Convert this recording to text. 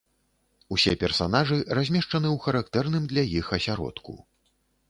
Усе персанажы размешчаны ў характэрным для іх асяродку.